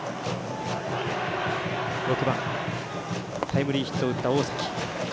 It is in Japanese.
６番、タイムリーヒットを打った大崎。